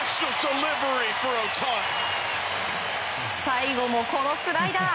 最後もこのスライダー！